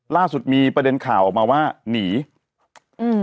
ล่าสุดมีประเด็นข่าวออกมาว่าหนีอืม